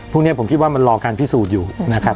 พวกนี้ผมคิดว่ามันรอการพิสูจน์อยู่นะครับ